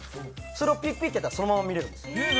それをピッピッてやったらそのまま見れるんです。